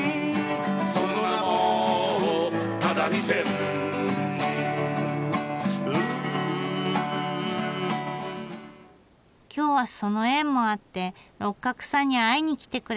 「その名も只見線」今日はその縁もあって六角さんに会いに来てくれたそうです。